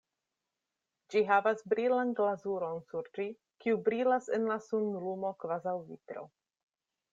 Ĝi havas brilan glazuron sur ĝi, kiu brilas en la sunlumo kvazaŭ vitro.